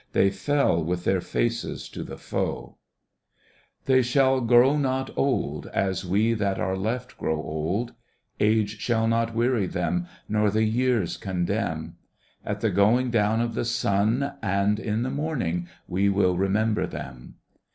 They fell with their faces to the foe. Digitized by Google FOR THE FALLEN 29 They shall grow not old, as we that are left grow old: Age shall not weary them, nor the years con demn. At the going down of the sun and in the morning We will remember them.